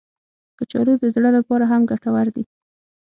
کچالو د زړه لپاره هم ګټور دي